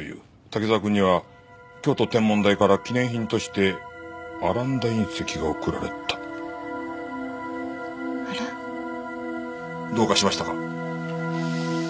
「滝沢君には京都天文台から記念品としてアランダ隕石が贈られた」あら？どうかしましたか？